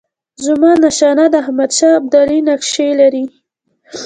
زمانشاه د احمدشاه ابدالي نقشې لري.